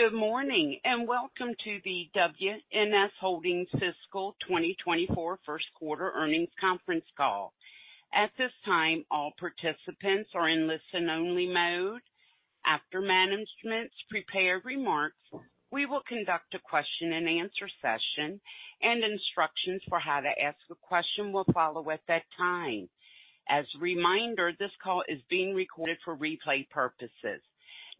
Good morning, and welcome to the WNS Holdings Fiscal 2024 first quarter earnings conference call. At this time, all participants are in listen-only mode. After management's prepared remarks, we will conduct a question-and-answer session, and instructions for how to ask a question will follow at that time. As a reminder, this call is being recorded for replay purposes.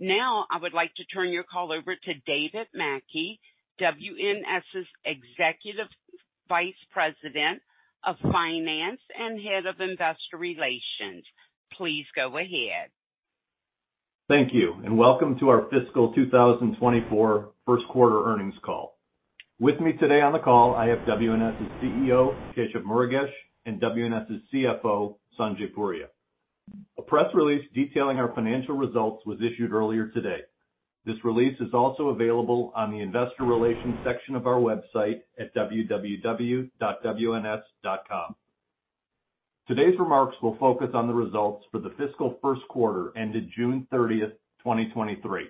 Now, I would like to turn your call over to David Mackey, WNS's Executive Vice President of Finance and Head of Investor Relations. Please go ahead. Thank you, and welcome to our fiscal 2024 first quarter earnings call. With me today on the call, I have WNS's CEO, Keshav Murugesh, and WNS's CFO, Sanjay Puria. A press release detailing our financial results was issued earlier today. This release is also available on the investor relations section of our website at www.wns.com. Today's remarks will focus on the results for the fiscal first quarter ended June 30th, 2023.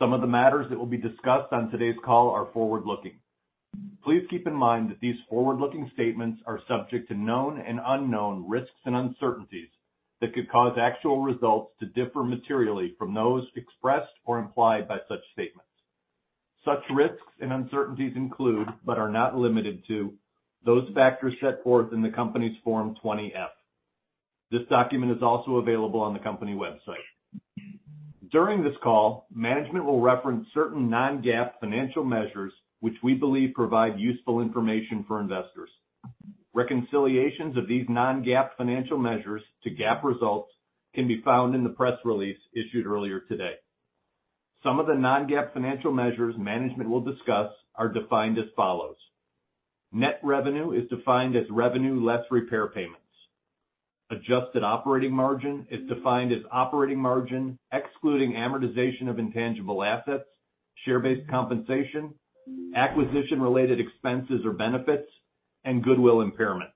Some of the matters that will be discussed on today's call are forward-looking. Please keep in mind that these forward-looking statements are subject to known and unknown risks and uncertainties that could cause actual results to differ materially from those expressed or implied by such statements. Such risks and uncertainties include, but are not limited to, those factors set forth in the company's Form 20-F. This document is also available on the company website. During this call, management will reference certain non-GAAP financial measures, which we believe provide useful information for investors. Reconciliations of these non-GAAP financial measures to GAAP results can be found in the press release issued earlier today. Some of the non-GAAP financial measures management will discuss are defined as follows: Net revenue is defined as revenue less repair payments. Adjusted operating margin is defined as operating margin, excluding amortization of intangible assets, share-based compensation, acquisition-related expenses or benefits, and goodwill impairment.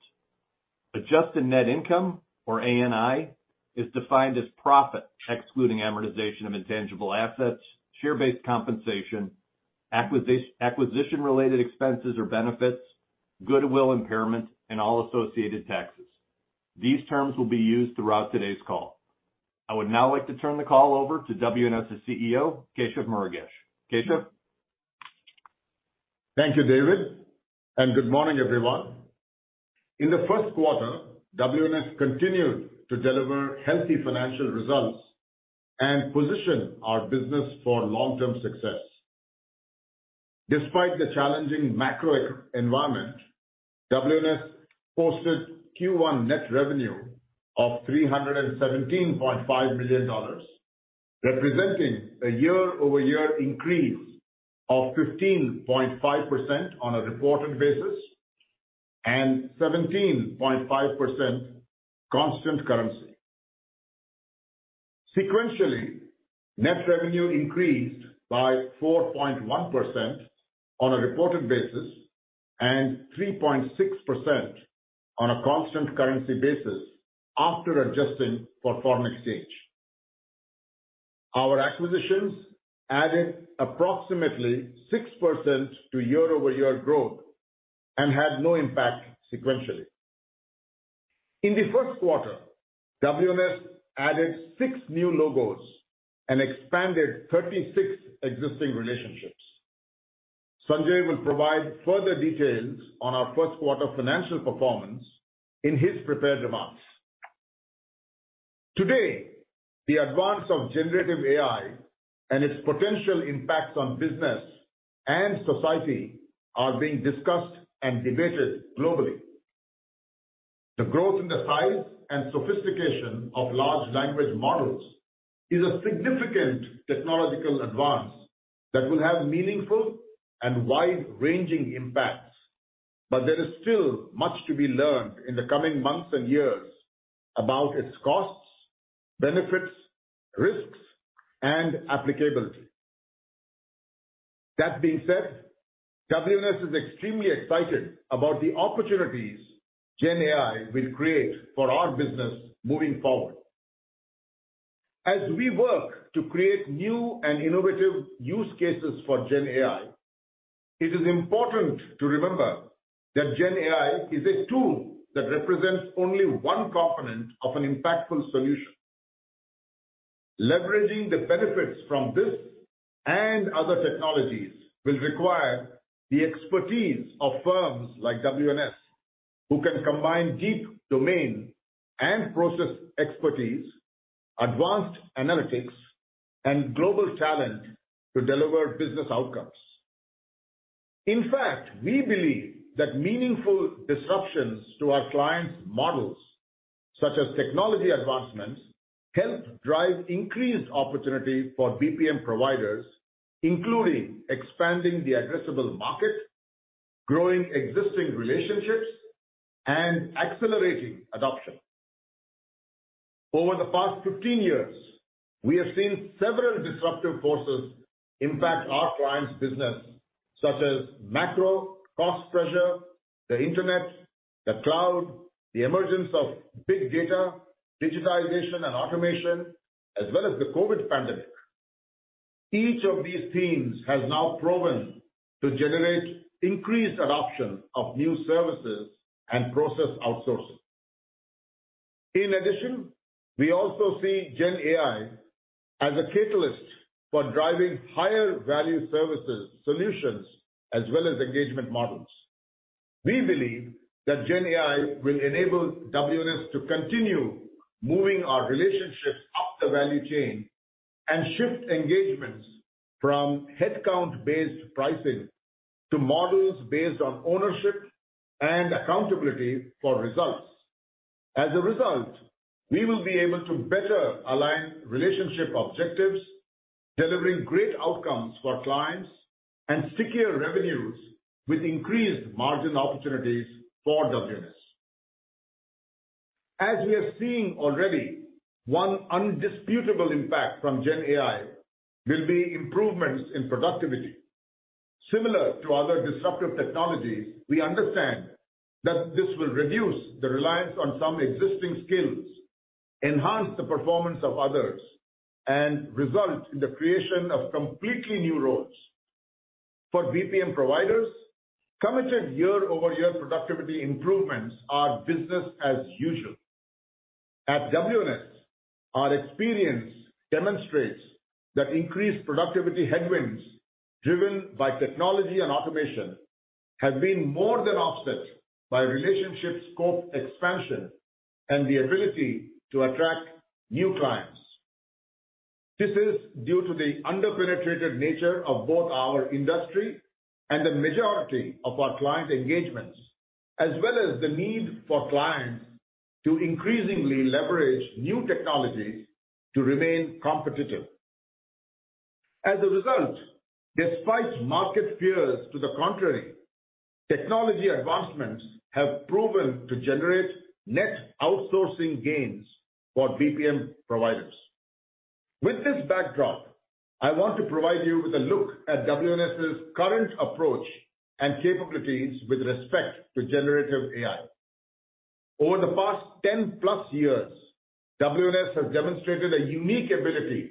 Adjusted net income, or ANI, is defined as profit, excluding amortization of intangible assets, share-based compensation, acquisition-related expenses or benefits, goodwill impairment, and all associated taxes. These terms will be used throughout today's call. I would now like to turn the call over to WNS's CEO, Keshav Murugesh. Keshav? Thank you, David, and good morning, everyone. In the first quarter, WNS continued to deliver healthy financial results and position our business for long-term success. Despite the challenging macro environment, WNS posted Q1 net revenue of $317.5 million, representing a year-over-year increase of 15.5% on a reported basis and 17.5% constant currency. Sequentially, net revenue increased by 4.1% on a reported basis and 3.6% on a constant currency basis after adjusting for foreign exchange. Our acquisitions added approximately 6% to year-over-year growth and had no impact sequentially. In the first quarter, WNS added six new logos and expanded 36 existing relationships. Sanjay will provide further details on our first quarter financial performance in his prepared remarks. Today, the advance of generative AI and its potential impacts on business and society are being discussed and debated globally. The growth in the size and sophistication of large language models is a significant technological advance that will have meaningful and wide-ranging impacts, but there is still much to be learned in the coming months and years about its costs, benefits, risks, and applicability. That being said, WNS is extremely excited about the opportunities GenAI will create for our business moving forward. As we work to create new and innovative use cases for GenAI, it is important to remember that GenAI is a tool that represents only one component of an impactful solution. Leveraging the benefits from this and other technologies will require the expertise of firms like WNS, who can combine deep domain and process expertise, advanced analytics, and global talent to deliver business outcomes. In fact, we believe that meaningful disruptions to our clients' models, such as technology advancements, help drive increased opportunity for BPM providers, including expanding the addressable market, growing existing relationships, and accelerating adoption. Over the past 15 years, we have seen several disruptive forces impact our clients' business. such as macro, cost pressure, the internet, the cloud, the emergence of big data, digitization and automation, as well as the COVID pandemic. Each of these themes has now proven to generate increased adoption of new services and process outsourcing. In addition, we also see Gen AI as a catalyst for driving higher value services solutions, as well as engagement models. We believe that Gen AI will enable WNS to continue moving our relationships up the value chain and shift engagements from headcount-based pricing to models based on ownership and accountability for results. As a result, we will be able to better align relationship objectives, delivering great outcomes for clients and stickier revenues with increased margin opportunities for WNS. As we are seeing already, one undisputable impact from GenAI will be improvements in productivity. Similar to other disruptive technologies, we understand that this will reduce the reliance on some existing skills, enhance the performance of others, and result in the creation of completely new roles. For BPM providers, committed year-over-year productivity improvements are business as usual. At WNS, our experience demonstrates that increased productivity headwinds, driven by technology and automation, have been more than offset by relationship scope expansion and the ability to attract new clients. This is due to the under-penetrated nature of both our industry and the majority of our client engagements, as well as the need for clients to increasingly leverage new technologies to remain competitive. As a result, despite market fears to the contrary, technology advancements have proven to generate net outsourcing gains for BPM providers. With this backdrop, I want to provide you with a look at WNS's current approach and capabilities with respect to generative AI. Over the past 10+ years, WNS has demonstrated a unique ability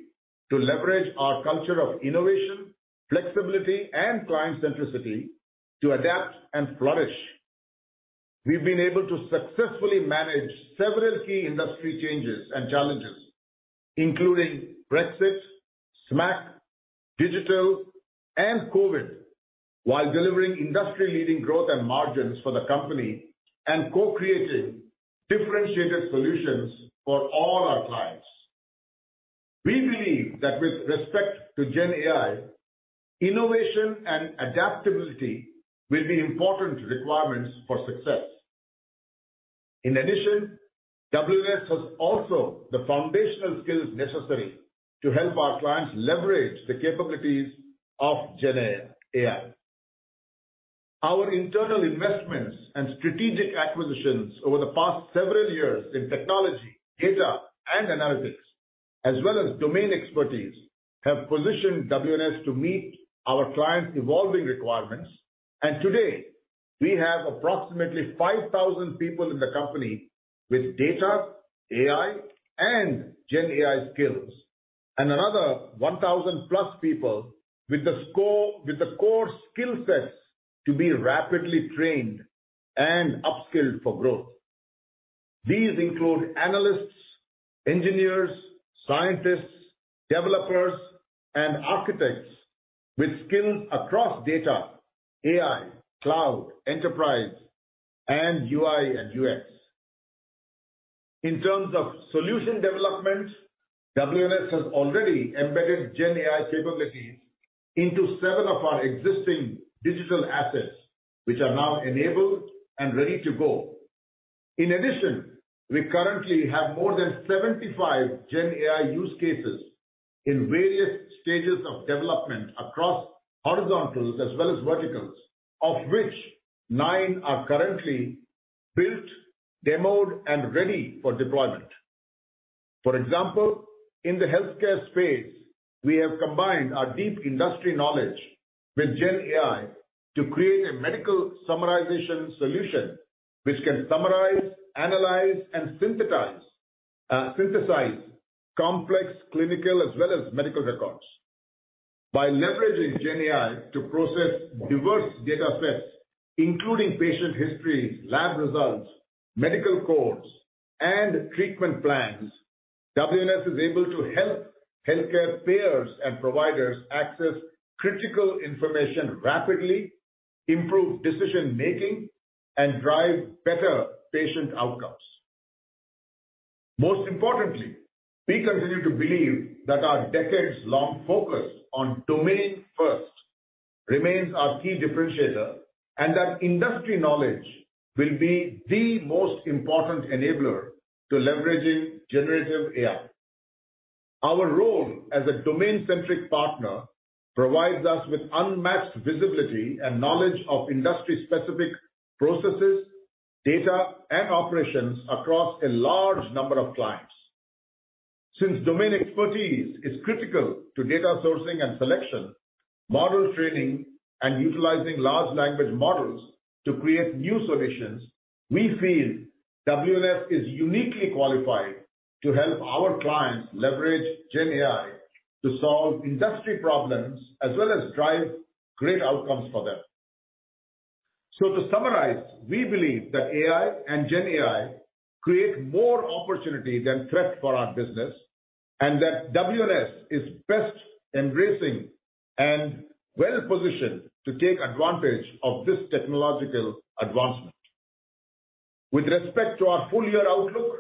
to leverage our culture of innovation, flexibility, and client centricity to adapt and flourish. We've been able to successfully manage several key industry changes and challenges, including Brexit, SMAC, digital, and COVID, while delivering industry-leading growth and margins for the company and co-creating differentiated solutions for all our clients. We believe that with respect to GenAI, innovation and adaptability will be important requirements for success. In addition, WNS has also the foundational skills necessary to help our clients leverage the capabilities of GenAI. Our internal investments and strategic acquisitions over the past several years in technology, data, and analytics, as well as domain expertise, have positioned WNS to meet our clients' evolving requirements. Today, we have approximately 5,000 people in the company with data, AI, and GenAI skills, and another 1,000+ people with the core skill sets to be rapidly trained and upskilled for growth. These include analysts, engineers, scientists, developers, and architects with skills across data, AI, cloud, enterprise, and UI and UX. In terms of solution development, WNS has already embedded GenAI capabilities into seven of our existing digital assets, which are now enabled and ready to go. In addition, we currently have more than 75 GenAI use cases in various stages of development across horizontals as well as verticals, of which nine are currently built, demoed, and ready for deployment. For example, in the healthcare space, we have combined our deep industry knowledge with GenAI to create a medical summarization solution, which can summarize, analyze, and synthesize complex clinical as well as medical records. By leveraging GenAI to process diverse data sets, including patient histories, lab results, medical codes, and treatment plans, WNS is able to help healthcare payers and providers access critical information rapidly, improve decision-making, and drive better patient outcomes. Most importantly, we continue to believe that our decades-long focus on domain-first remains our key differentiator, and that industry knowledge will be the most important enabler to leveraging generative AI. Our role as a domain-centric partner provides us with unmatched visibility and knowledge of industry-specific processes, data, and operations across a large number of clients. Since domain expertise is critical to data sourcing and selection, model training, and utilizing large language models to create new solutions, we feel WNS is uniquely qualified to help our clients leverage GenAI to solve industry problems, as well as drive great outcomes for them. To summarize, we believe that AI and GenAI create more opportunity than threat for our business, and that WNS is best embracing and well-positioned to take advantage of this technological advancement. With respect to our full year outlook,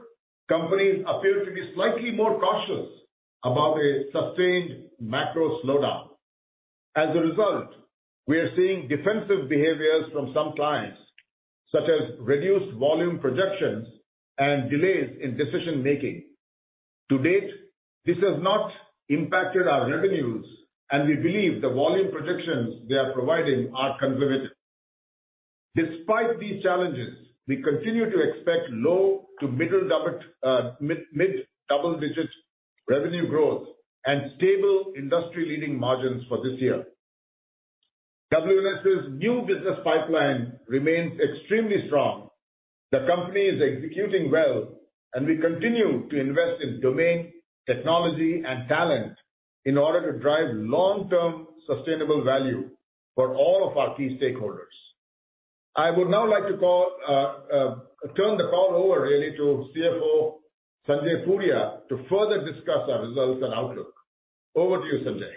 companies appear to be slightly more cautious about a sustained macro slowdown. As a result, we are seeing defensive behaviors from some clients, such as reduced volume projections and delays in decision making. To date, this has not impacted our revenues, and we believe the volume projections they are providing are conservative. Despite these challenges, we continue to expect low to mid-double-digit revenue growth and stable industry-leading margins for this year. WNS's new business pipeline remains extremely strong. The company is executing well, and we continue to invest in domain, technology, and talent in order to drive long-term sustainable value for all of our key stakeholders. I would now like to turn the call over really, to CFO Sanjay Puria, to further discuss our results and outlook. Over to you, Sanjay.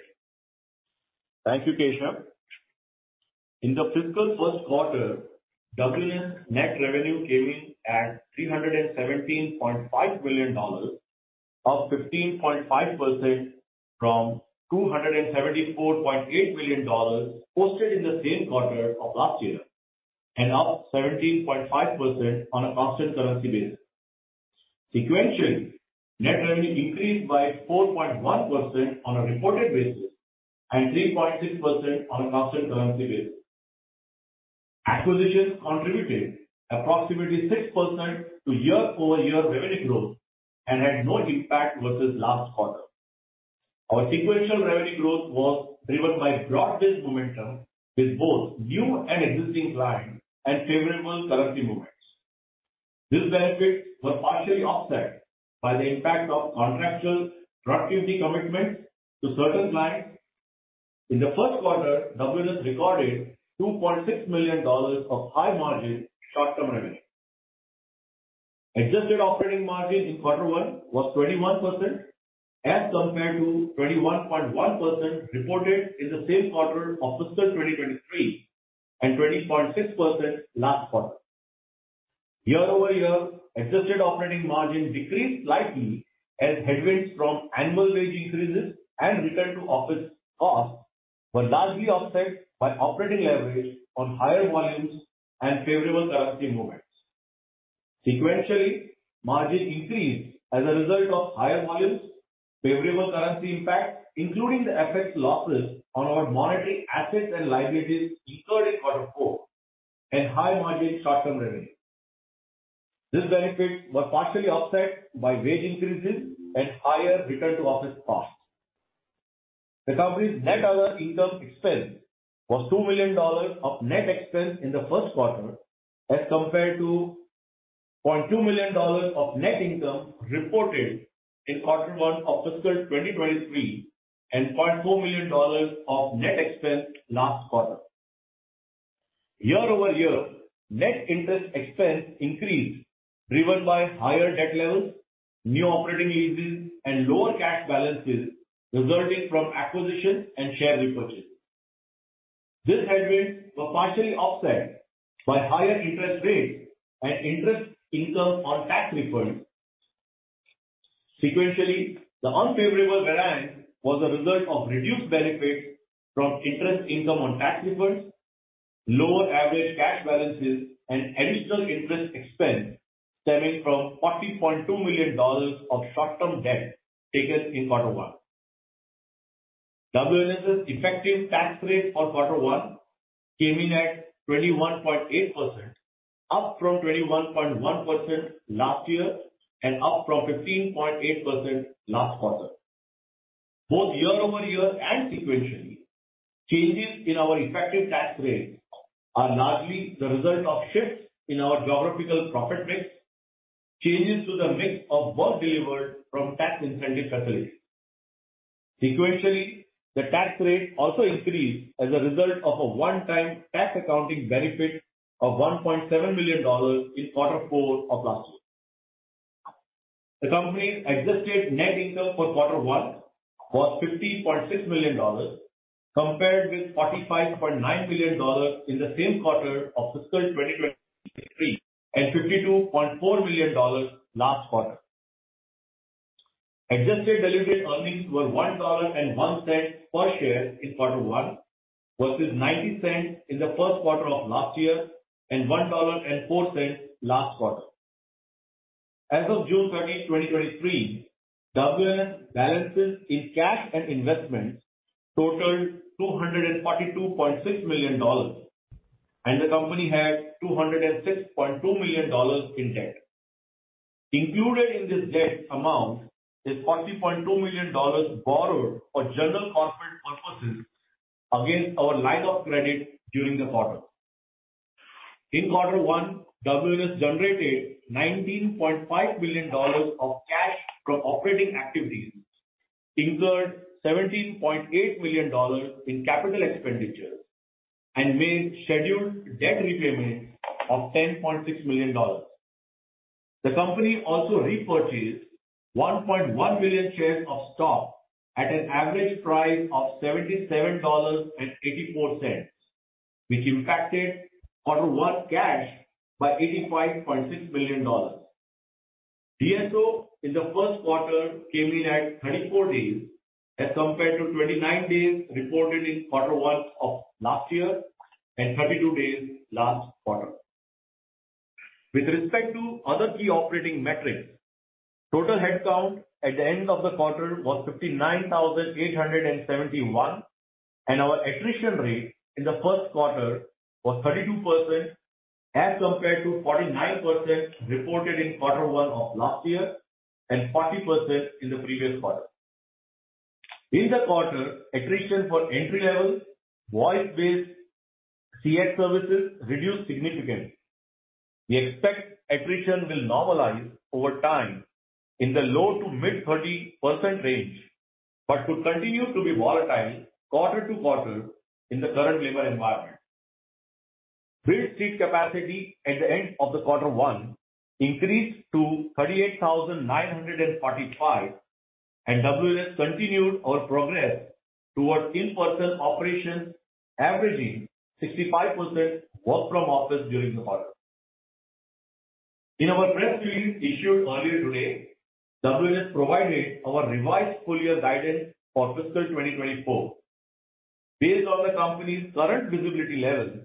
Thank you, Keshav. In the fiscal first quarter, WNS net revenue came in at $317.5 million, up 15.5% from $274.8 million posted in the same quarter of last year, and up 17.5% on a constant currency basis. Sequentially, net revenue increased by 4.1% on a reported basis and 3.6% on a constant currency basis. Acquisitions contributed approximately 6% to year-over-year revenue growth and had no impact versus last quarter. Our sequential revenue growth was driven by broad-based momentum with both new and existing clients and favorable currency movements. This benefits were partially offset by the impact of contractual productivity commitments to certain clients. In the first quarter, WNS recorded $2.6 million of high-margin short-term revenue. Adjusted operating margin in quarter one was 21%, as compared to 21.1% reported in the same quarter of fiscal 2023, and 20.6% last quarter. Year-over-year, adjusted operating margin decreased slightly as headwinds from annual wage increases and return to office costs were largely offset by operating leverage on higher volumes and favorable currency movements. Sequentially, margin increased as a result of higher volumes, favorable currency impact, including the FX losses on our monetary assets and liabilities incurred in quarter four and high-margin short-term revenue. This benefit was partially offset by wage increases and higher return to office costs. The company's net interest income expense was $2 million of net expense in the first quarter, as compared to $0.2 million of net income reported in quarter one of fiscal 2023, and $0.4 million of net expense last quarter. Year-over-year, net interest expense increased, driven by higher debt levels, new operating leases and lower cash balances resulting from acquisitions and share repurchase. This headwinds were partially offset by higher interest rates and interest income on tax refunds. Sequentially, the unfavorable variance was a result of reduced benefits from interest income on tax refunds, lower average cash balances, and additional interest expense stemming from $40.2 million of short-term debt taken in quarter one. WNS's effective tax rate for quarter one came in at 21.8%, up from 21.1% last year and up from 15.8% last quarter. Both year-over-year and sequentially, changes in our effective tax rate are largely the result of shifts in our geographical profit mix, changes to the mix of work delivered from tax-incentive facilities. Sequentially, the tax rate also increased as a result of a one-time tax accounting benefit of $1.7 million in quarter four of last year. The company's adjusted net income for quarter one was $50.6 million, compared with $45.9 million in the same quarter of fiscal 2023 and $52.4 million last quarter. Adjusted diluted earnings were $1.01 per share in quarter one, versus $0.90 in the first quarter of last year, and $1.04 last quarter. As of June 30th, 2023, WNS balances in cash and investments totaled $242.6 million. The company had $206.2 million in debt. Included in this debt amount is $40.2 million borrowed for general corporate purposes against our line of credit during the quarter. In quarter one, WNS generated $19.5 million of cash from operating activities, incurred $17.8 million in capital expenditures, made scheduled debt repayment of $10.6 million. The company also repurchased 1.1 million shares of stock at an average price of $77.84, which impacted quarter one cash by $85.6 million. DSO in the first quarter came in at 34 days, as compared to 29 days reported in quarter one of last year and 32 days last quarter. With respect to other key operating metrics, total headcount at the end of the quarter was 59,871, and our attrition rate in the first quarter was 32%, as compared to 49% reported in quarter one of last year and 40% in the previous quarter. In the quarter, attrition for entry-level, voice-based CX services reduced significantly. We expect attrition will normalize over time in the low to mid-30% range, but to continue to be volatile quarter-to-quarter in the current labor environment. Build seat capacity at the end of the quarter 1 increased to 38,945. WNS continued our progress towards in-person operations, averaging 65% work from office during the quarter. In our press release issued earlier today, WNS provided our revised full year guidance for fiscal 2024. Based on the company's current visibility levels,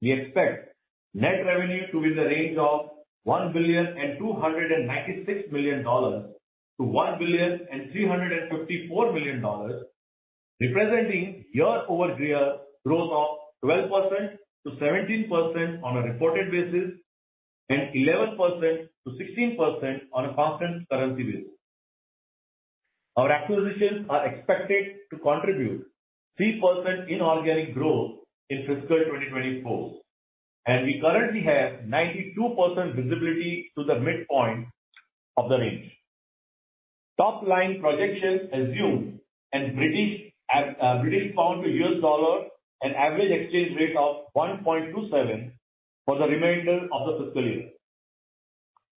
we expect net revenue to be in the range of $1.296 billion-$1.354 billion, representing year-over-year growth of 12%-17% on a reported basis and 11%-16% on a constant currency basis. Our acquisitions are expected to contribute 3% inorganic growth in fiscal 2024. We currently have 92% visibility to the midpoint of the range. Top-line projections assume British pound to U.S. dollar, an average exchange rate of 1.27% for the remainder of the fiscal year.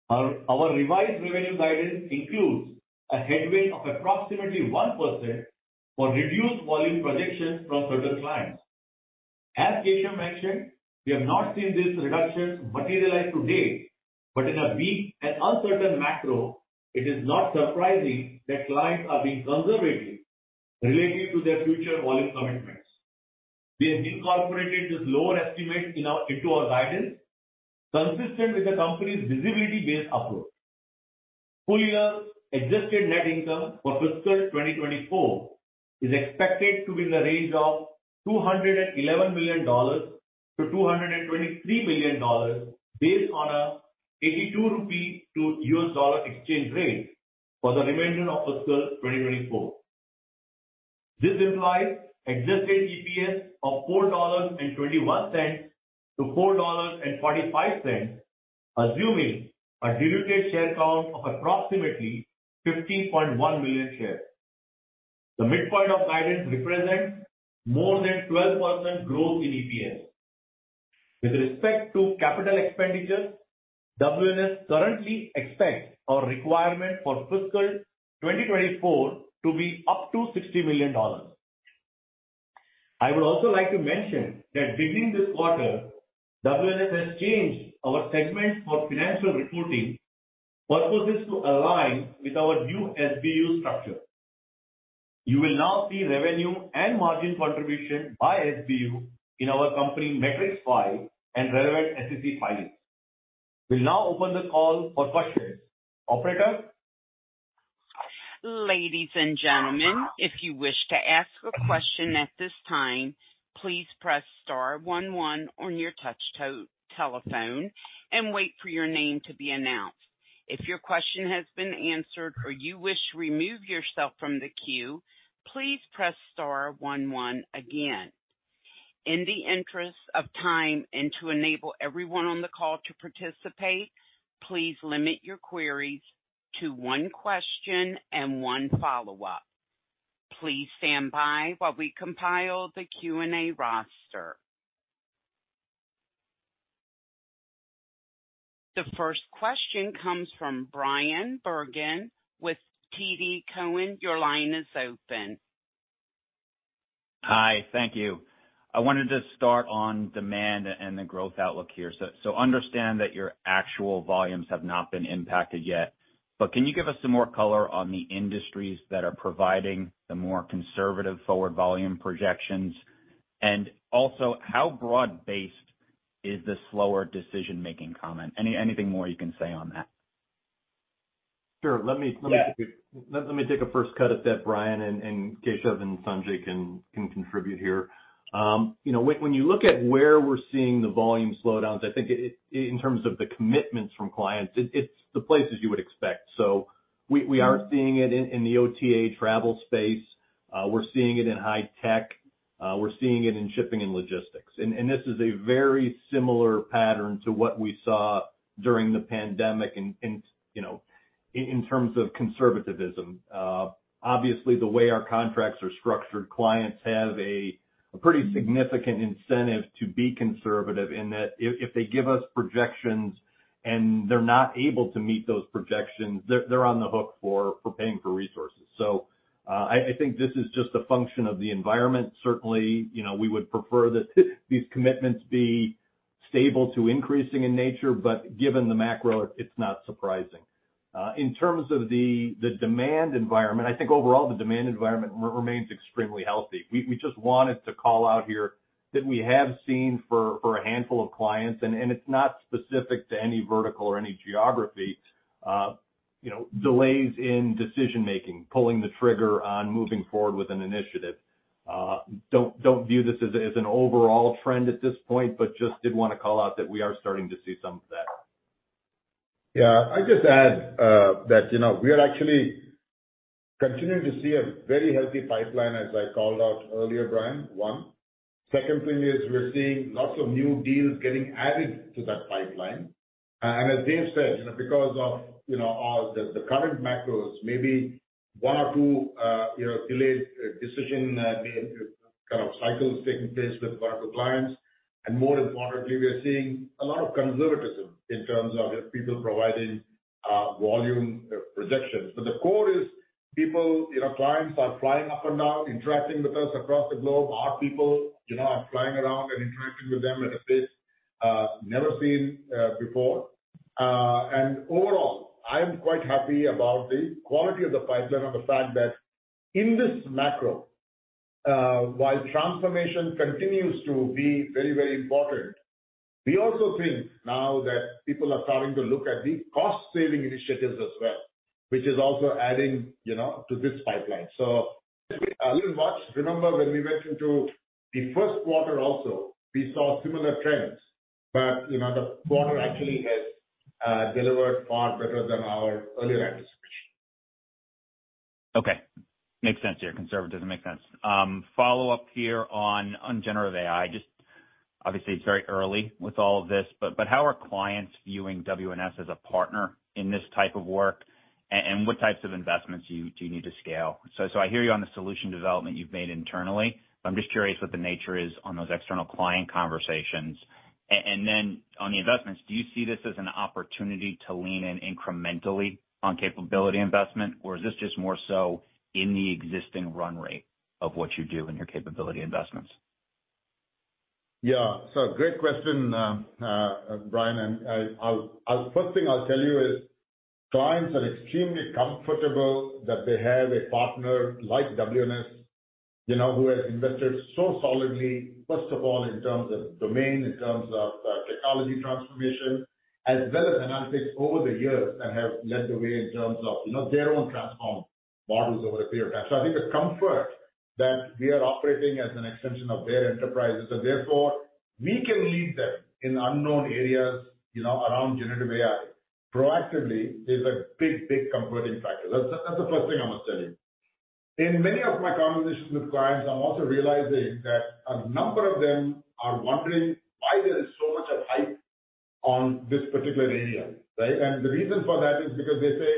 Our revised revenue guidance includes a headwind of approximately 1% for reduced volume projections from certain clients. As Keshav mentioned, we have not seen this reduction materialize to date, but in a weak and uncertain macro, it is not surprising that clients are being conservative related to their future volume commitments. We have incorporated this lower estimate into our guidance, consistent with the company's visibility-based approach. Full year adjusted net income for fiscal 2024 is expected to be in the range of $211 million-$223 million, based on a 82 rupee to U.S. dollar exchange rate for the remainder of fiscal 2024. This implies adjusted EPS of $4.21-$4.45, assuming a diluted share count of approximately $15.1 million shares. The midpoint of guidance represents more than 12% growth in EPS. With respect to capital expenditures, WNS currently expects our requirement for fiscal 2024 to be up to $60 million. I would also like to mention that beginning this quarter, WNS has changed our segment for financial reporting purposes to align with our new SBU structure. You will now see revenue and margin contribution by SBU in our company metrics file and relevant SEC filings. We'll now open the call for questions. Operator? Ladies and gentlemen, if you wish to ask a question at this time, please press star one one on your touch-tone telephone and wait for your name to be announced. If your question has been answered or you wish to remove yourself from the queue, please press star one one again. In the interest of time and to enable everyone on the call to participate, please limit your queries to one question and one follow-up. Please stand by while we compile the Q&A roster. The first question comes from Bryan Bergin with TD Cowen. Your line is open. Hi. Thank you. I wanted to start on demand and the growth outlook here. Understand that your actual volumes have not been impacted yet, but can you give us some more color on the industries that are providing the more conservative forward volume projections? Also, how broad-based is the slower decision-making comment? Anything more you can say on that? Sure. Let me take a first cut at that, Bryan, and Keshav and Sanjay can contribute here. you know, when you look at where we're seeing the volume slowdowns, I think it, in terms of the commitments from clients, it's the places you would expect. We are seeing it in the OTA travel space, we're seeing it in high tech, we're seeing it in shipping and logistics. This is a very similar pattern to what we saw during the pandemic in, you know, in terms of conservativism. Obviously, the way our contracts are structured, clients have a pretty significant incentive to be conservative, in that if they give us projections and they're not able to meet those projections, they're on the hook for paying for resources. I think this is just a function of the environment. Certainly, you know, we would prefer that these commitments be stable to increasing in nature, but given the macro, it's not surprising. In terms of the demand environment, I think overall, the demand environment remains extremely healthy. We just wanted to call out here that we have seen for a handful of clients, and it's not specific to any vertical or any geography, you know, delays in decision-making, pulling the trigger on moving forward with an initiative. Don't view this as a, as an overall trend at this point, but just did wanna call out that we are starting to see some of that. Yeah. I'd just add, that, you know, we are actually continuing to see a very healthy pipeline, as I called out earlier, Bryan, one. Second thing is, we're seeing lots of new deals getting added to that pipeline. As Dave said, you know, because of, you know, the current macros, maybe one or two, you know, delayed decision, kind of, cycles taking place with one of the clients. More importantly, we are seeing a lot of conservatism in terms of people providing volume projections. The core is people, you know, clients are flying up and down, interacting with us across the globe. Our people, you know, are flying around and interacting with them at a pace never seen before. Overall, I am quite happy about the quality of the pipeline and the fact that in this macro, while transformation continues to be very, very important, we also think now that people are starting to look at the cost-saving initiatives as well, which is also adding, you know, to this pipeline. A little watch. Remember, when we went into the first quarter also, we saw similar trends, but, you know, the quarter actually has delivered far better than our earlier anticipation. Okay. Makes sense here. Conservatism makes sense. follow-up here on Generative AI. Just obviously, it's very early with all of this, but how are clients viewing WNS as a partner in this type of work? And what types of investments do you need to scale? I hear you on the solution development you've made internally, but I'm just curious what the nature is on those external client conversations. And then on the investments, do you see this as an opportunity to lean in incrementally on capability investment, or is this just more so in the existing run rate of what you do in your capability investments? Yeah. Great question, Bryan, First thing I'll tell you is, clients are extremely comfortable that they have a partner like WNS, you know, who has invested so solidly, first of all, in terms of domain, in terms of, technology transformation, as well as analytics over the years, and have led the way in terms of, you know, their own transform models over a period of time. I think the comfort that we are operating as an extension of their enterprises, and therefore we can lead them in unknown areas, you know, around Generative AI, proactively, is a big, big comforting factor. That's the first thing I must tell you. In many of my conversations with clients, I'm also realizing that a number of them are wondering why there is so much of hype on this particular area, right? The reason for that is because they say: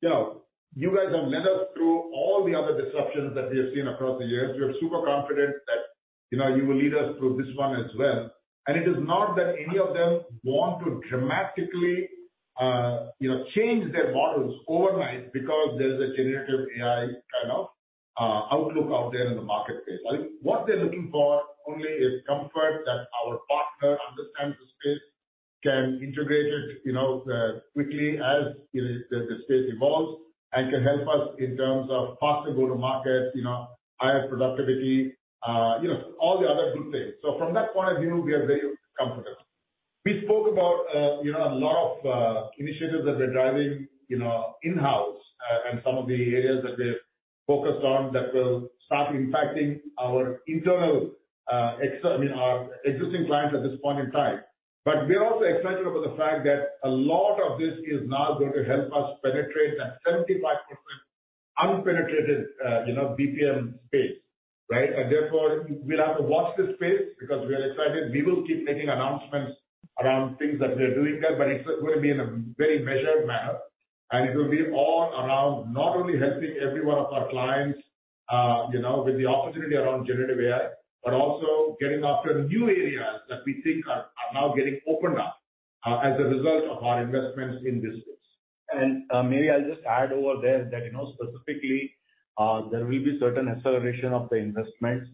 "You know, you guys have led us through all the other disruptions that we have seen across the years. We are super confident that, you know, you will lead us through this one as well." It is not that any of them want to dramatically, you know, change their models overnight because there is a generative AI kind of outlook out there in the marketplace. What they're looking for only is comfort that our partner understands the space, can integrate it, you know, quickly as, you know, the space evolves, and can help us in terms of faster go-to-market, you know, higher productivity, you know, all the other good things. From that point of view, we are very comfortable. We spoke about, you know, a lot of initiatives that we're driving, you know, in-house, and some of the areas that we're focused on that will start impacting our internal, I mean, our existing clients at this point in time. We are also excited about the fact that a lot of this is now going to help us penetrate that 75% unpenetrated, you know, BPM space, right? Therefore, we'll have to watch this space because we are excited. We will keep making announcements around things that we are doing there, but it's going to be in a very measured manner, and it will be all around not only helping every one of our clients, you know, with the opportunity around generative AI, but also getting after new areas that we think are now getting opened up, as a result of our investments in this space. Maybe I'll just add over there that, you know, specifically, there will be certain acceleration of the investments,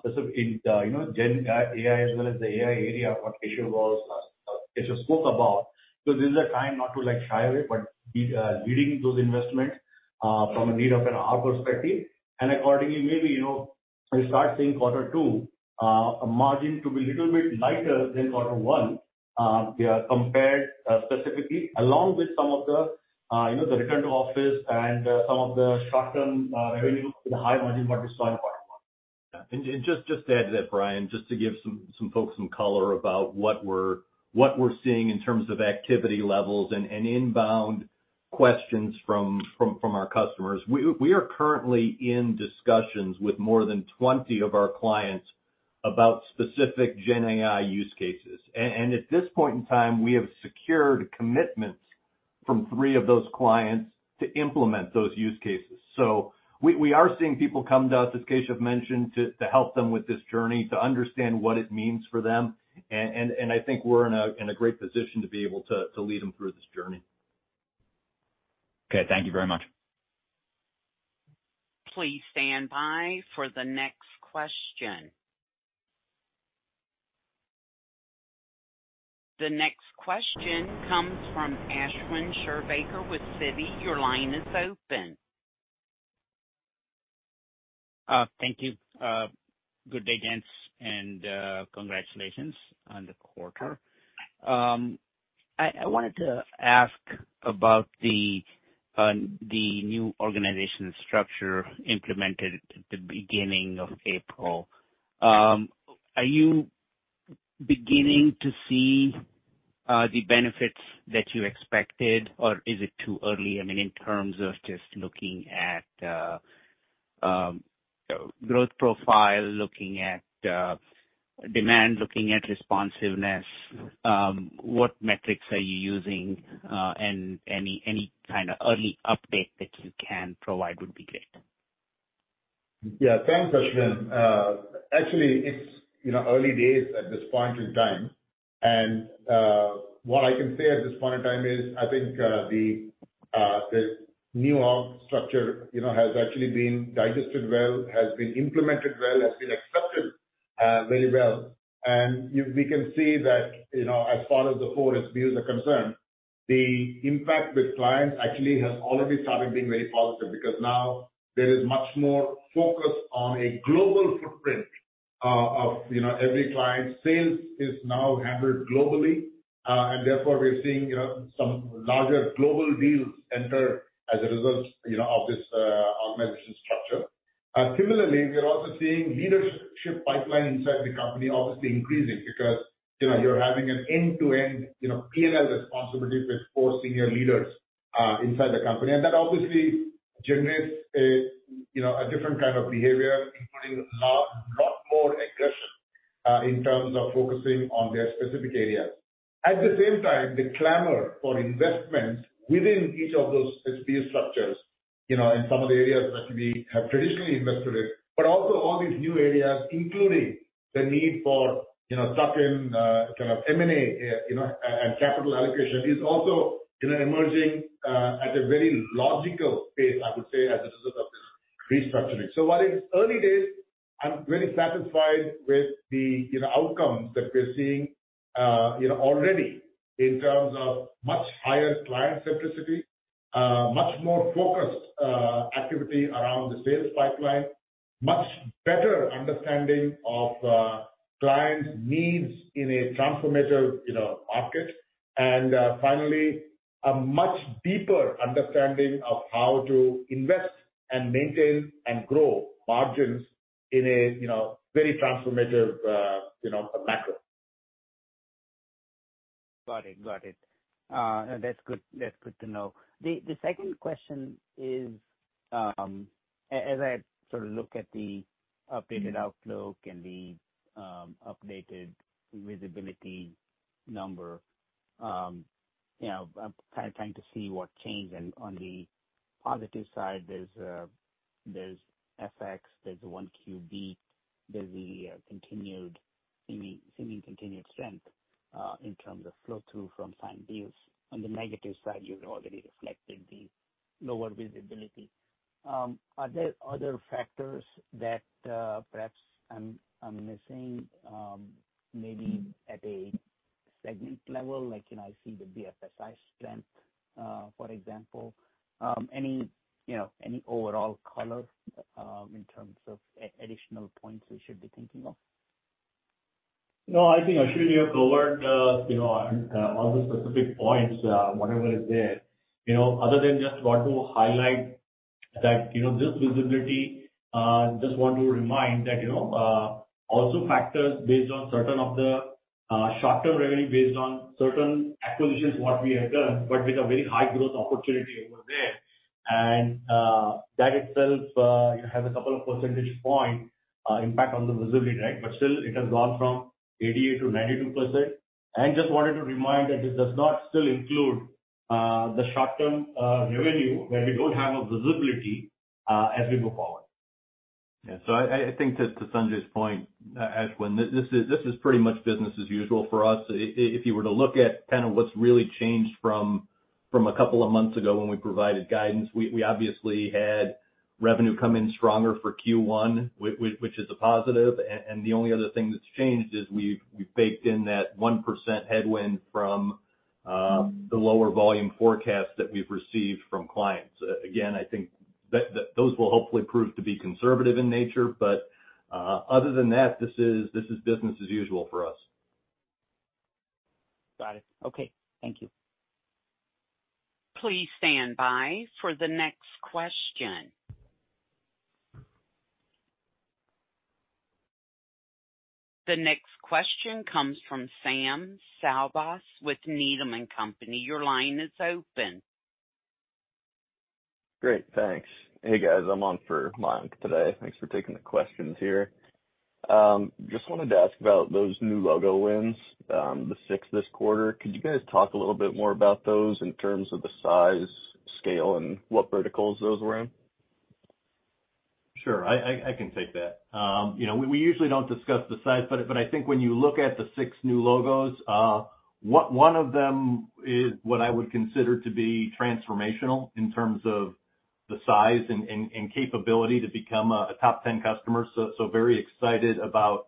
specific in the, you know, GenAI as well as the AI area, what Keshav spoke about. This is a time not to, like, shy away, but, leading those investments from a need of, you know, our perspective. Accordingly, maybe, you know, we start seeing quarter two margin to be a little bit lighter than quarter one, compared specifically along with some of the, you know, the return to office and some of the short-term revenue with the high margin what we saw in quarter one. Yeah. Just to add to that, Bryan, just to give some folks some color about what we're seeing in terms of activity levels and inbound questions from our customers. We are currently in discussions with more than 20 of our clients about specific GenAI use cases. At this point in time, we have secured commitments from three of those clients to implement those use cases. We are seeing people come to us, as Keshav mentioned, to help them with this journey, to understand what it means for them. I think we're in a great position to be able to lead them through this journey. Okay, thank you very much. Please stand by for the next question. The next question comes from Ashwin Shirvaikar with Citi. Your line is open. Thank you. Good day, gents, and congratulations on the quarter. I wanted to ask about the new organizational structure implemented at the beginning of April. Are you beginning to see the benefits that you expected, or is it too early? I mean, in terms of just looking at growth profile, looking at demand, looking at responsiveness, what metrics are you using? Any kind of early update that you can provide would be great. Yeah, thanks, Ashwin. actually, it's, you know, early days at this point in time, and, what I can say at this point in time is, I think, the new org structure, you know, has actually been digested well, has been implemented well, has been accepted, very well. We can see that, you know, as far as the four SBU are concerned, the impact with clients actually has already started being very positive, because now there is much more focus on a global footprint, of, you know, every client. Sales is now handled globally, and therefore we're seeing, you know, some larger global deals enter as a result, you know, of this, organizational structure. Similarly, we are also seeing leadership pipeline inside the company obviously increasing because, you know, you're having an end-to-end, you know, P&L responsibility with four senior leaders inside the company. That obviously generates a, you know, a different kind of behavior, including a lot more aggression in terms of focusing on their specific areas. At the same time, the clamor for investment within each of those SBU structures, you know, in some of the areas that we have traditionally invested in, but also all these new areas, including the need for, you know, tuck-in kind of M&A, you know, and capital allocation, is also, you know, emerging at a very logical pace, I would say, as a result of this restructuring. While it's early days, I'm very satisfied with the, you know, outcomes that we're seeing, you know, already in terms of much higher client centricity, much more focused activity around the sales pipeline, much better understanding of clients' needs in a transformative, you know, market. Finally, a much deeper understanding of how to invest and maintain and grow margins in a, you know, very transformative, you know, macro. Got it. Got it. That's good, that's good to know. The second question is, as I sort of look at the updated outlook and the updated visibility number, you know, I'm kind of trying to see what changed. On the positive side, there's FX, there's 1Q beat, there's the continued seeming continued strength in terms of flow-through from signed deals. On the negative side, you've already reflected the lower visibility. Are there other factors that perhaps I'm missing, maybe at a segment level, like, you know, I see the BFSI strength, for example, any, you know, any overall color in terms of additional points we should be thinking of? No, I think, Ashwin, you have covered, you know, all the specific points, whatever is there. You know, other than just want to highlight that, you know, this visibility, just want to remind that, you know, also factors based on certain of the short-term revenue, based on certain acquisitions, what we have done, but with a very high growth opportunity over there. That itself, you know, has a couple of percentage point, impact on the visibility, right? Still, it has gone from 88%-92%. I just wanted to remind that this does not still include, the short-term, revenue, where we don't have a visibility, as we go forward. Yeah. I think to Sanjay's point, Ashwin, this is pretty much business as usual for us. If you were to look at kind of what's really changed from a couple of months ago when we provided guidance, we obviously had revenue come in stronger for Q1, which is a positive. The only other thing that's changed is we've baked in that 1% headwind from the lower volume forecast that we've received from clients. Again, I think that those will hopefully prove to be conservative in nature, other than that, this is business as usual for us. Got it. Okay. Thank you. Please stand by for the next question. The next question comes from Mayank Tandon with Needham & Company. Your line is open. Great, thanks. Hey, guys, I'm on for Mark today. Thanks for taking the questions here. Just wanted to ask about those new logo wins, the sixth this quarter. Could you guys talk a little bit more about those in terms of the size, scale, and what verticals those were in? Sure. I can take that. you know, we usually don't discuss the size, but I think when you look at the six new logos, one of them is what I would consider to be transformational in terms of the size and capability to become a top 10 customer. Very excited about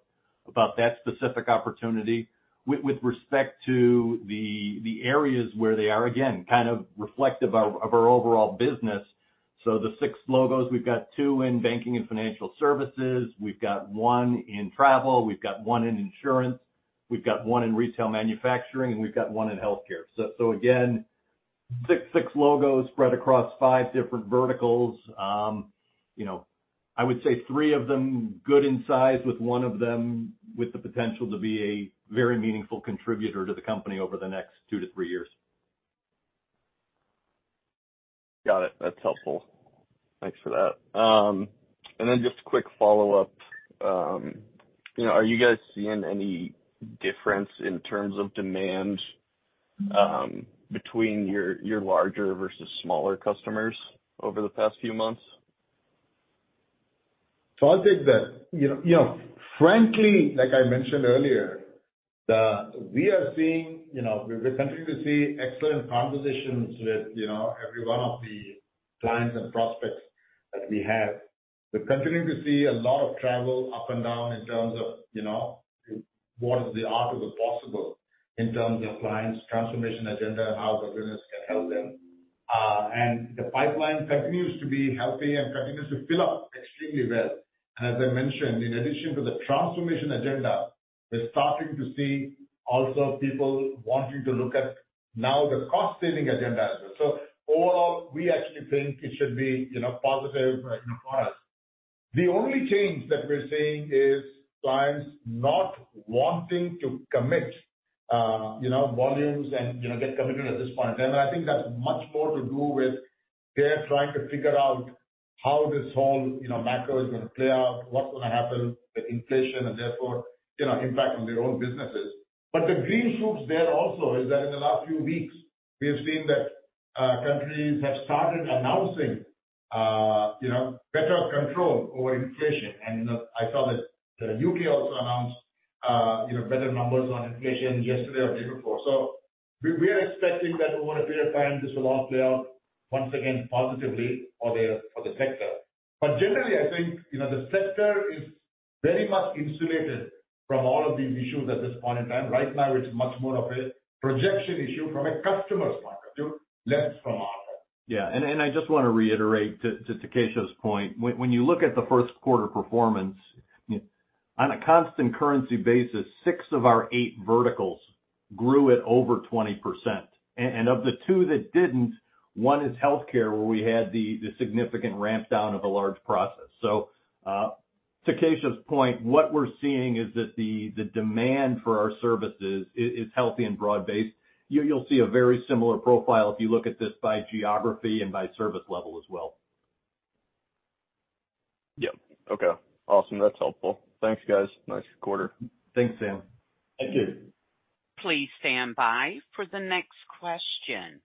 that specific opportunity. With respect to the areas where they are, again, kind of reflective of our overall business. The six logos, we've got two in banking and financial services, we've got one in travel, we've got one in insurance, we've got one in retail manufacturing, and we've got one in healthcare. Again, sixe logos spread across five different verticals. You know, I would say three of them good in size, with one of them with the potential to be a very meaningful contributor to the company over the next two to three years. Got it. That's helpful. Thanks for that. Just a quick follow-up. You know, are you guys seeing any difference in terms of demand, between your larger versus smaller customers over the past few months? I'll take that. You know, frankly, like I mentioned earlier, we are seeing, you know, we're continuing to see excellent conversations with, you know, every one of the clients and prospects that we have. We're continuing to see a lot of travel up and down in terms of, you know, what is the art of the possible in terms of clients' transformation agenda and how the business can help them. The pipeline continues to be healthy and continues to fill up extremely well. As I mentioned, in addition to the transformation agenda, we're starting to see also people wanting to look at now the cost saving agenda as well. Overall, we actually think it should be, you know, positive for us. The only change that we're seeing is clients not wanting to commit, you know, volumes and, you know, get committed at this point. I think that's much more to do with they're trying to figure out how this whole, you know, macro is going to play out, what's going to happen with inflation and therefore, you know, impact on their own businesses. The green shoots there also is that in the last few weeks, we have seen that countries have started announcing, you know, better control over inflation. You know, I saw that the U.K. also announced, you know, better numbers on inflation yesterday or the day before. We, we are expecting that over a period of time, this will all play out once again, positively for the, for the sector. Generally, I think, you know, the sector is very much insulated from all of these issues at this point in time. Right now, it's much more of a projection issue from a customer's perspective, less from our end. Yeah. I just want to reiterate to Keshav's point. When you look at the first quarter performance, on a constant currency basis, six of our eight verticals grew at over 20%. Of the two that didn't, one is healthcare, where we had the significant ramp down of a large process. Keshav's point, what we're seeing is that the demand for our services is healthy and broad-based. You'll see a very similar profile if you look at this by geography and by service level as well. Yep. Okay, awesome. That's helpful. Thanks, guys. Nice quarter. Thanks, Sam. Thank you. Please stand by for the next question.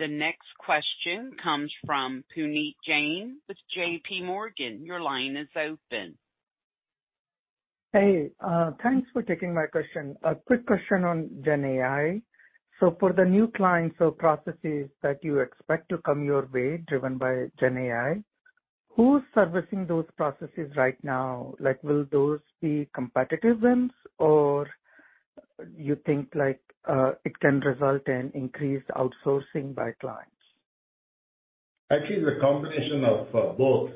The next question comes from Puneet Jain with JPMorgan. Your line is open. Hey, thanks for taking my question. A quick question on GenAI. For the new clients or processes that you expect to come your way, driven by GenAI, who's servicing those processes right now? Like, will those be competitive wins, or you think like, it can result in increased outsourcing by clients? Actually, it's a combination of both.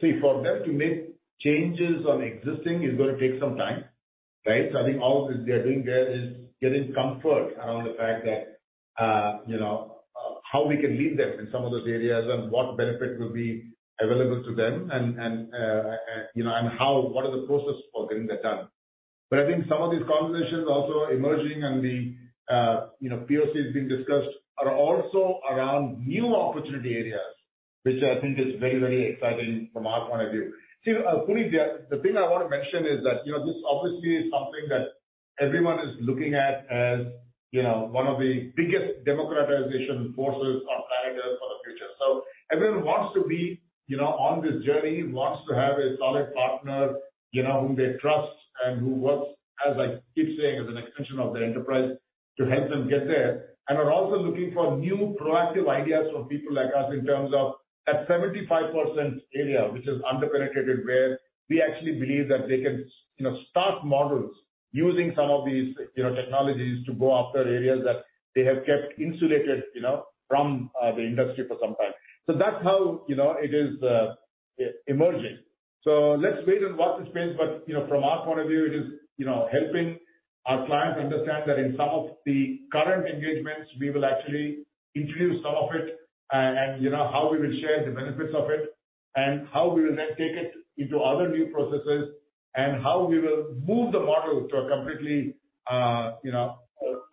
See, for them to make changes on existing is going to take some time, right? I think all they're doing there is getting comfort around the fact that, you know, how we can lead them in some of those areas and what benefit will be available to them, and, you know, and how, what are the processes for getting that done. I think some of these conversations are also emerging and the, you know, POCs being discussed are also around new opportunity areas, which I think is very, very exciting from our point of view. See, Puneet, the thing I want to mention is that, you know, this obviously is something that everyone is looking at as, you know, one of the biggest democratization forces or drivers for the future. Everyone wants to be, you know, on this journey, wants to have a solid partner, you know, whom they trust, and who works, as I keep saying, as an extension of the enterprise to help them get there, and are also looking for new proactive ideas from people like us in terms of that 75% area, which is underpenetrated, where we actually believe that they can, you know, start models using some of these, you know, technologies to go after areas that they have kept insulated, you know, from the industry for some time. That's how, you know, it is emerging. Let's wait and watch the space. You know, from our point of view, it is, you know, helping our clients understand that in some of the current engagements, we will actually introduce some of it and, you know, how we will share the benefits of it and how we will then take it into other new processes and how we will move the model to a completely, you know,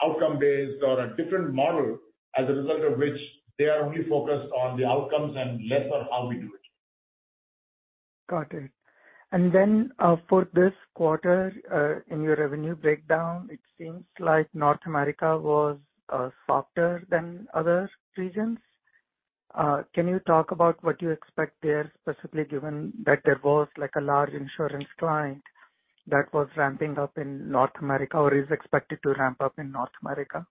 outcome based or a different model, as a result of which they are only focused on the outcomes and less on how we do it. Got it. For this quarter, in your revenue breakdown, it seems like North America was softer than other regions. Can you talk about what you expect there, specifically, given that there was, like, a large insurance client that was ramping up in North America or is expected to ramp up in North America?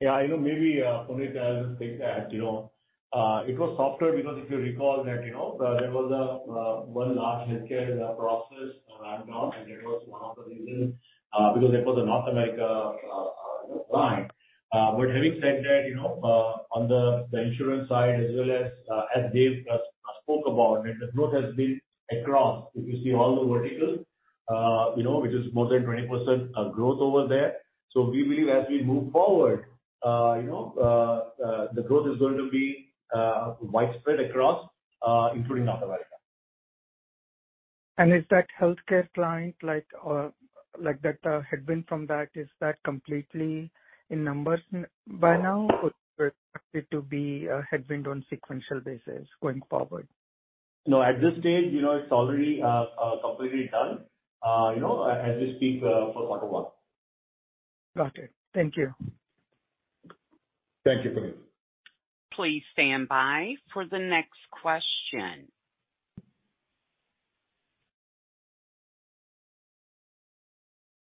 Yeah, I know maybe, Puneet, I'll just take that. You know, it was softer because if you recall that, you know, there was a one large healthcare process ramp down, and it was one of the reasons, because it was a North America client. Having said that, you know, on the insurance side, as well as Dave just spoke about, the growth has been across. If you see all the verticals, you know, which is more than 20% growth over there. We believe as we move forward, you know, the growth is going to be widespread across, including North America. Is that healthcare client like that headwind from that, is that completely in numbers by now or expected to be a headwind on sequential basis going forward? No, at this stage, you know, it's already, completely done, you know, as we speak, for quarter one. Got it. Thank you. Thank you, Puneet. Please stand by for the next question.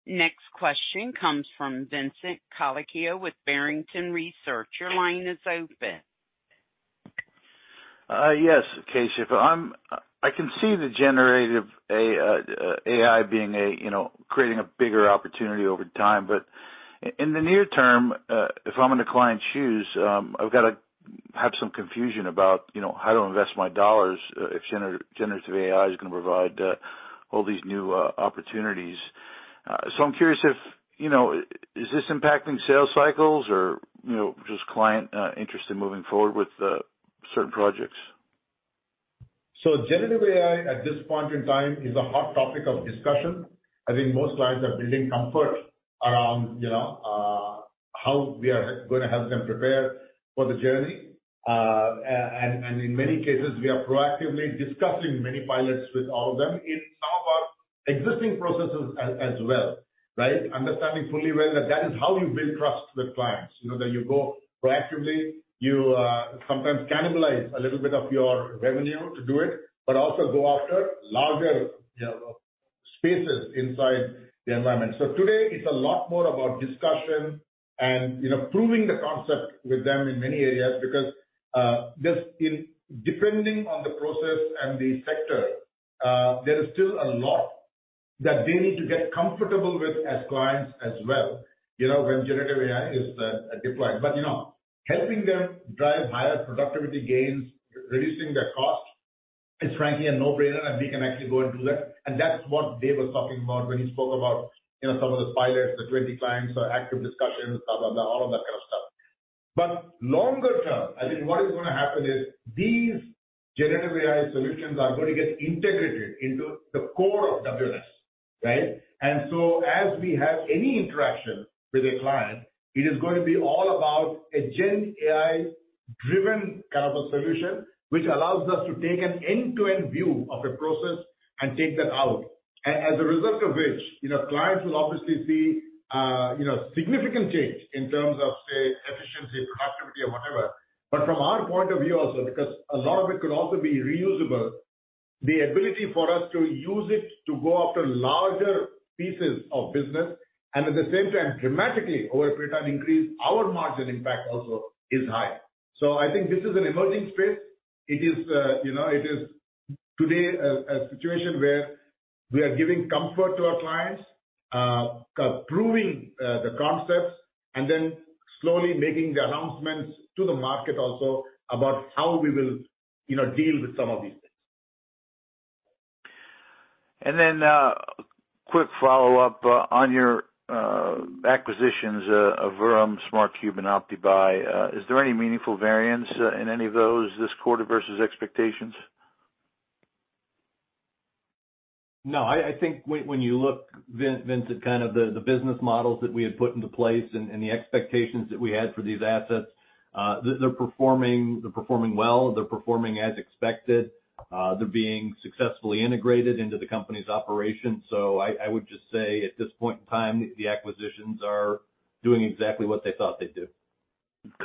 Next question comes from Vincent Colicchio with Barrington Research. Your line is open. Yes, Keshav. I can see the Generative AI being a, you know, creating a bigger opportunity over time. In the near term, if I'm in the client's shoes, I've got to have some confusion about, you know, how to invest my dollars, if Generative AI is going to provide all these new opportunities. I'm curious if, you know, is this impacting sales cycles or, you know, just client interest in moving forward with certain projects? Generative AI at this point in time is a hot topic of discussion. I think most clients are building comfort around, you know, how we are going to help them prepare for the journey. In many cases, we are proactively discussing many pilots with all of them in some of our existing processes as well, right? Understanding fully well that that is how you build trust with clients, you know, that you go proactively. You sometimes cannibalize a little bit of your revenue to do it, but also go after larger, you know, spaces inside the environment. Today it's a lot more about discussion and, you know, proving the concept with them in many areas because just in. depending on the process and the sector, there is still a lot that they need to get comfortable with as clients as well, you know, when generative AI is deployed. You know, helping them drive higher productivity gains, reducing their cost, is frankly a no-brainer, and we can actually go and do that. That's what Dave was talking about when he spoke about, you know, some of the pilots, the 20 clients, the active discussions, blah, blah, all of that kind of stuff. Longer term, I think what is going to happen is these generative AI solutions are going to get integrated into the core of WNS, right? As we have any interaction with a client, it is going to be all about a GenAI driven kind of a solution, which allows us to take an end-to-end view of a process and take that out. As a result of which, you know, clients will obviously see, you know, significant change in terms of, say, efficiency, productivity or whatever. From our point of view also, because a lot of it could also be reusable, the ability for us to use it to go after larger pieces of business and at the same time dramatically over time, increase our margin impact also is high. I think this is an emerging space. It is, you know, it is today a situation where we are giving comfort to our clients, proving the concepts and then slowly making the announcements to the market also about how we will, you know, deal with some of these things. Quick follow-up, on your, acquisitions, of Vuram, Smart Cube and OptiBuy. Is there any meaningful variance, in any of those this quarter versus expectations? No, I think when you look, Vincent, kind of the business models that we had put into place and the expectations that we had for these assets, they're performing well, they're performing as expected. They're being successfully integrated into the company's operations. I would just say at this point in time, the acquisitions are doing exactly what they thought they'd do.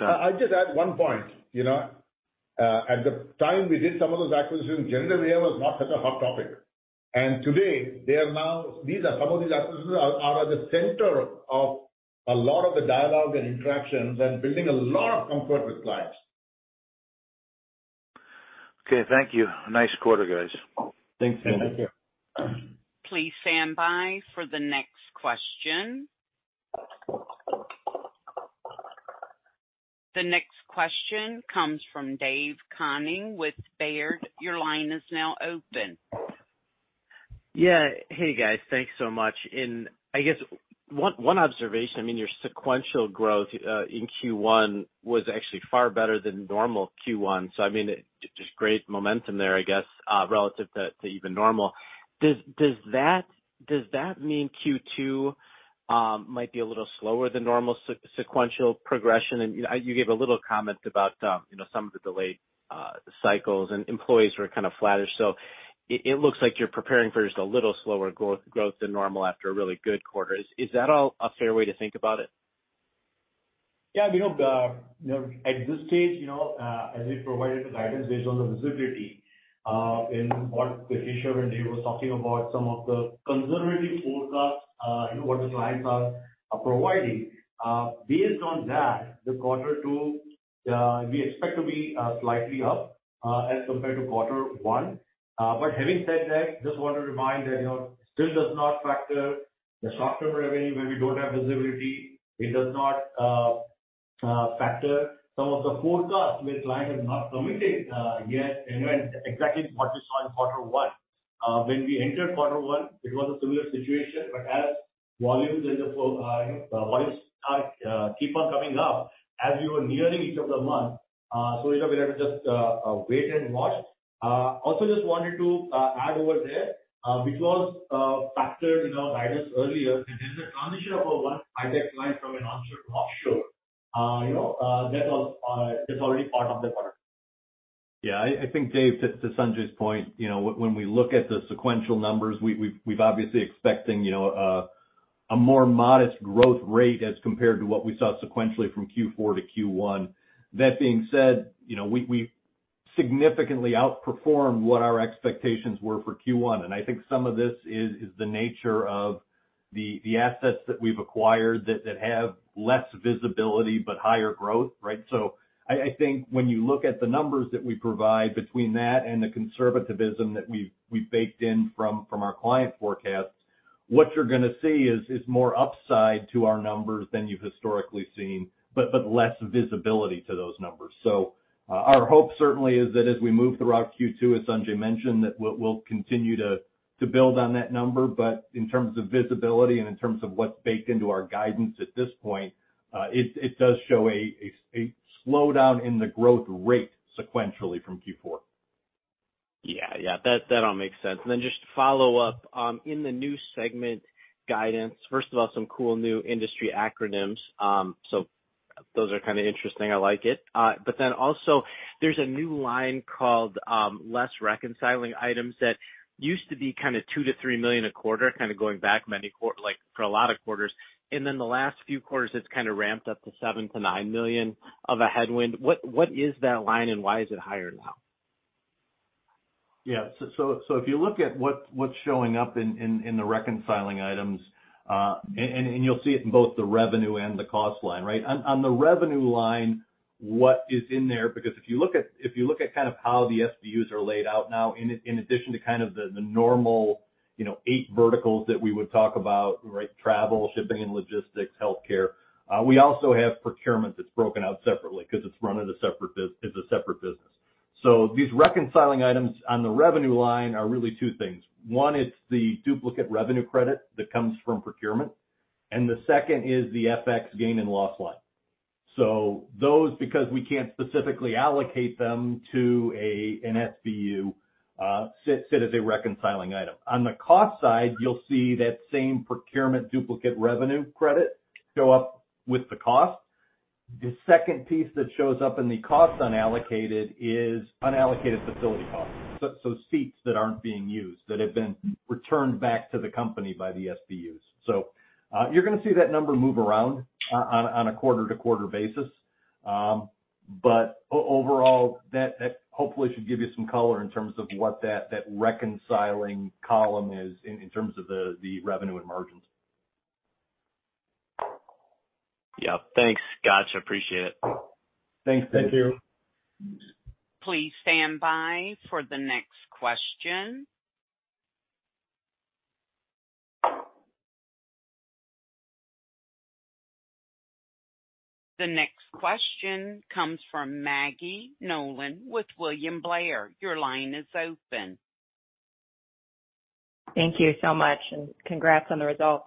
I'll just add one point, you know, at the time we did some of those acquisitions, Generative AI was not such a hot topic, and today they are now, some of these acquisitions are at the center of a lot of the dialogue and interactions and building a lot of comfort with clients. Okay, thank you. Nice quarter, guys. Thanks. Thank you. Please stand by for the next question. The next question comes from David Koning with Baird. Your line is now open. Yeah. Hey, guys, thanks so much. I guess one observation, I mean, your sequential growth in Q1 was actually far better than normal Q1. I mean, just great momentum there, I guess, relative to even normal. Does that mean Q2 might be a little slower than normal sequential progression? You gave a little comment about, you know, some of the delayed cycles and employees were kind of flattish. It looks like you're preparing for just a little slower growth than normal after a really good quarter. Is that all a fair way to think about it? Yeah, you know, you know, at this stage, you know, as we provided the guidance based on the visibility, in what Keshav and David was talking about, some of the conservative forecasts, you know, what the clients are providing. Based on that, the quarter two, we expect to be slightly up, as compared to quarter one. Having said that, just want to remind that, you know, still does not factor the short-term revenue where we don't have visibility. It does not factor some of the forecasts where client has not committed, yet, and when exactly what we saw in quarter one. When we enter quarter one, it was a similar situation, but as volumes and the volumes keep on coming up as we were nearing each of the month, so we'll have to just wait and watch. Also, just wanted to add over there, which was factored in our guidance earlier, and then the transition of one high-tech client from an onshore to offshore. You know, that is already part of the quarter I think, Dave, to Sanjay's point, you know, when we look at the sequential numbers, we've obviously expecting, you know, a more modest growth rate as compared to what we saw sequentially from Q4 to Q1. That being said, you know, we significantly outperformed what our expectations were for Q1. I think some of this is the nature of the assets that we've acquired that have less visibility but higher growth, right? I think when you look at the numbers that we provide between that and the conservativism that we've baked in from our client forecasts, what you're gonna see is more upside to our numbers than you've historically seen, but less visibility to those numbers. Our hope certainly is that as we move throughout Q2, as Sanjay mentioned, that we'll continue to build on that number. In terms of visibility and in terms of what's baked into our guidance at this point, it does show a slowdown in the growth rate sequentially from Q4. Yeah. Yeah, that all makes sense. Just to follow up, in the new segment guidance, first of all, some cool new industry acronyms. Those are kind of interesting. I like it. Also there's a new line called, less reconciling items that used to be kind of $2 million-$3 million a quarter, kind of going back for a lot of quarters. The last few quarters, it's kind of ramped up to $7 million-$9 million of a headwind. What is that line, and why is it higher now? Yeah. If you look at what's showing up in the reconciling items, and you'll see it in both the revenue and the cost line. On the revenue line, what is in there, because if you look at kind of how the SBUs are laid out now, in addition to kind of the normal, you know, eight verticals that we would talk about. Travel, shipping and logistics, healthcare, we also have procurement that's broken out separately because it's run as a separate business. These reconciling items on the revenue line are really two things. One, it's the duplicate revenue credit that comes from procurement, and the second is the FX gain and loss line. Those, because we can't specifically allocate them to an SBU, sit as a reconciling item. On the cost side, you'll see that same procurement duplicate revenue credit show up with the cost. The second piece that shows up in the cost unallocated is unallocated facility costs, so seats that aren't being used, that have been returned back to the company by the SBUs. You're gonna see that number move around on a quarter-to-quarter basis. But overall, that hopefully should give you some color in terms of what that reconciling column is in terms of the revenue and margins. Yeah. Thanks. Gotcha. Appreciate it. Thanks. Thank you. Please stand by for the next question. The next question comes from Maggie Nolan with William Blair. Your line is open. Thank you so much, and congrats on the results.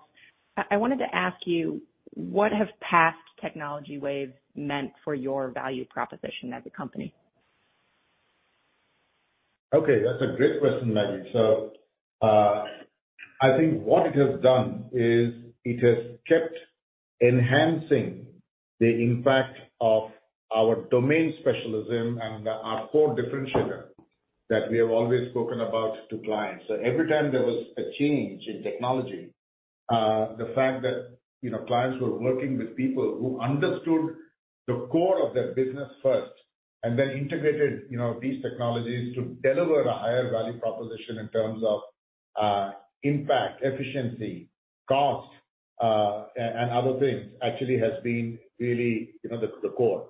I wanted to ask you, what have past technology waves meant for your value proposition as a company? That's a great question, Maggie. I think what it has done is it has kept enhancing the impact of our domain specialism and our core differentiator that we have always spoken about to clients. Every time there was a change in technology. The fact that, you know, clients were working with people who understood the core of their business first and then integrated, you know, these technologies to deliver a higher value proposition in terms of impact, efficiency, cost, and other things, actually has been really, you know, the core.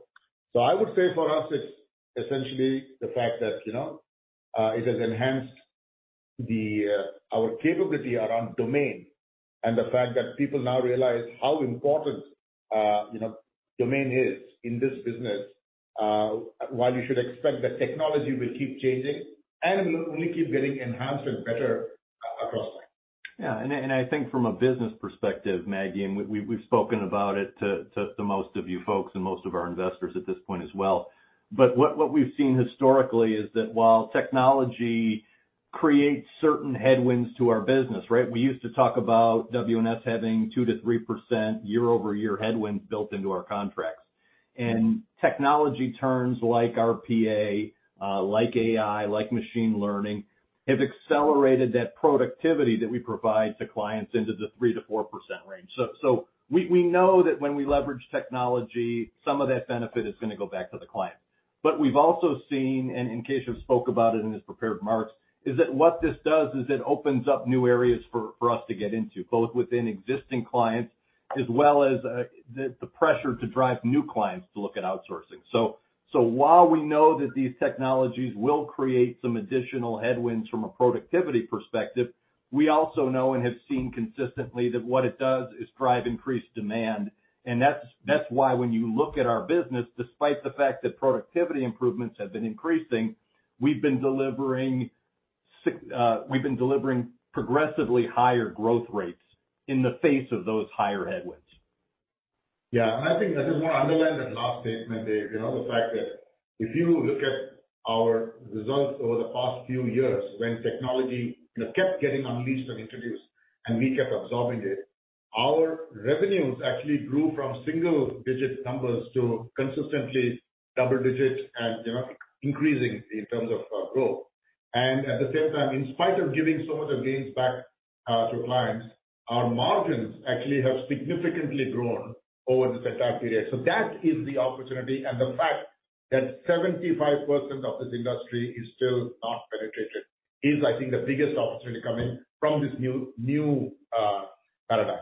I would say for us, it's essentially the fact that, you know, it has enhanced the our capability around domain, and the fact that people now realize how important, you know, domain is in this business, while you should expect that technology will keep changing and will only keep getting enhanced and better across time. Yeah. I, and I think from a business perspective, Maggie, we've spoken about it to most of you folks and most of our investors at this point as well. What we've seen historically is that while technology creates certain headwinds to our business, right? We used to talk about WNS having 2%-3% year-over-year headwinds built into our contracts. Technology terms like RPA, like AI, like machine learning, have accelerated that productivity that we provide to clients into the 3%-4% range. So we know that when we leverage technology, some of that benefit is gonna go back to the client. We've also seen, and Keshav spoke about it in his prepared remarks, is that what this does is it opens up new areas for us to get into, both within existing clients as well as the pressure to drive new clients to look at outsourcing. While we know that these technologies will create some additional headwinds from a productivity perspective, we also know and have seen consistently that what it does is drive increased demand, and that's why when you look at our business, despite the fact that productivity improvements have been increasing, we've been delivering progressively higher growth rates in the face of those higher headwinds. Yeah, I think I just wanna underline that last statement, Dave. You know, the fact that if you look at our results over the past few years, when technology, you know, kept getting unleashed and introduced and we kept absorbing it, our revenues actually grew from single-digit numbers to consistently double digit and, you know, increasing in terms of growth. At the same time, in spite of giving so much gains back to clients, our margins actually have significantly grown over this entire period. That is the opportunity, and the fact that 75% of this industry is still not penetrated, is, I think, the biggest opportunity coming from this new paradigm.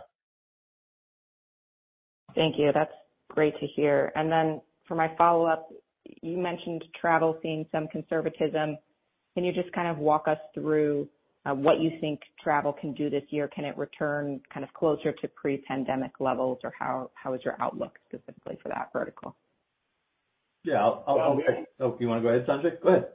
Thank you. That's great to hear. Then for my follow-up, you mentioned travel seeing some conservatism. Can you just kind of walk us through what you think travel can do this year? Can it return kind of closer to pre-pandemic levels, or how is your outlook specifically for that vertical? Yeah. I'll... Sanjay. Oh, you wanna go ahead, Sanjay? Go ahead.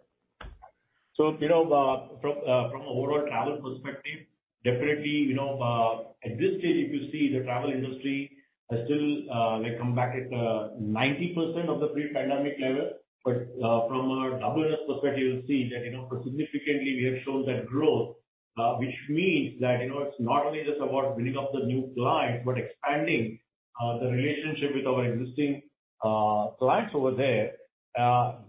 You know, from a overall travel perspective, definitely, you know, at this stage, if you see the travel industry are still, like, come back at 90% of the pre-pandemic level. From a WNS perspective, you'll see that, you know, significantly we have shown that growth, which means that, you know, it's not only just about winning up the new clients, but expanding the relationship with our existing clients over there.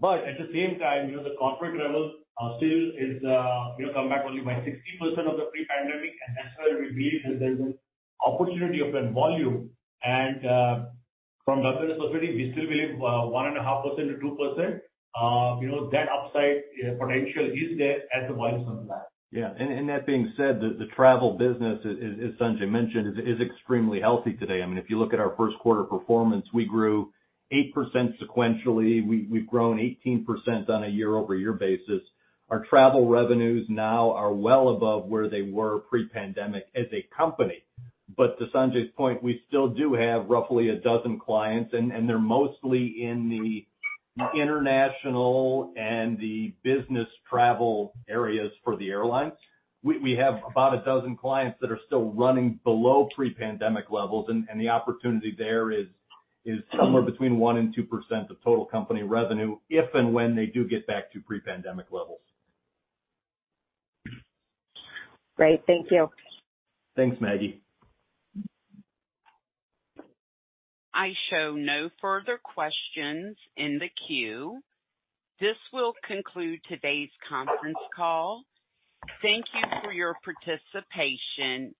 But at the same time, you know, the corporate travel still is, you know, come back only by 60% of the pre-pandemic, that's why we believe that there's an opportunity of that volume. From WNS perspective, we still believe, 1.5%-2%, you know, that upside potential is there as the volumes come back. That being said, the travel business, as Sanjay mentioned, is extremely healthy today. I mean, if you look at our first quarter performance, we grew 8% sequentially. We've grown 18% on a year-over-year basis. Our travel revenues now are well above where they were pre-pandemic as a company. To Sanjay's point, we still do have roughly 12 clients, and they're mostly in the international and the business travel areas for the airlines. We have about 12 clients that are still running below pre-pandemic levels, and the opportunity there is somewhere between 1%-2% of total company revenue, if and when they do get back to pre-pandemic levels. Great. Thank you. Thanks, Maggie. I show no further questions in the queue. This will conclude today's conference call. Thank you for your participation.